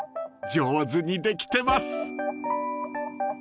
［上手にできてます］